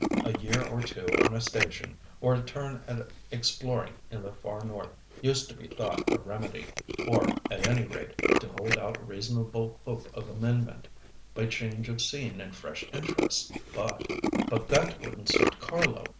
A year or two on a station, or a turn at exploring in the far north used to be thought a remedy, or, at any rate, to hold out reasonable hope of amendment by change of scene and fresh interests, but— " "But that wouldn't suit Carlo.